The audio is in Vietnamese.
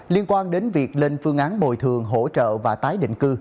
liên quan đến việc lên phương án bồi thường hỗ trợ và tái định cư